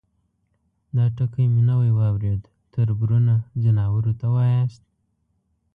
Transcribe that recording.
_دا ټکی مې نوی واورېد، تربرونه ، ځناورو ته واياست؟